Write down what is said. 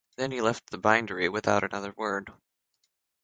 Then he left the bindery without another word.